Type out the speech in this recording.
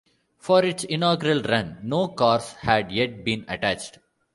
For its inaugural run, no cars had yet been attached.